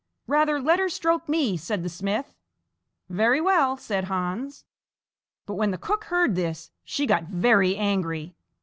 "Rather let her stroke me!" said the smith. "Very well," said Hans. But when the cook heard this, she got very angry.